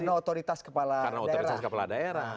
karena otoritas kepala daerah